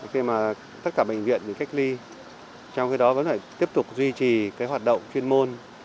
khi mà tất cả bệnh viện bị cách ly trong khi đó vẫn phải tiếp tục duy trì cái hoạt động chuyên môn